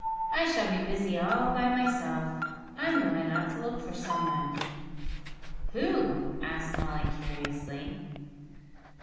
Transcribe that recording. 'I shall be busy all by myself. I'm going out to look for some one.' 'Who?' asked Molly curiously.